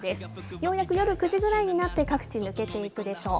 ようやく夜９時ぐらいになって、各地、抜けていくでしょう。